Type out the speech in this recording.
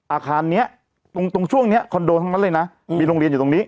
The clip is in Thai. อาคารนี้ตรงช่วงนี้คอนโดทั้งนั้นเลยนะมีโรงเรียนอยู่ตรงนี้